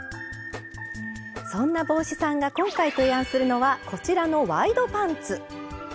そんな帽子さんが今回提案するのはこちらのワイドパンツ！